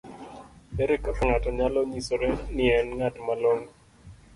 ere kaka ng'ato nyalo nyisore ni en ng'at malong'o?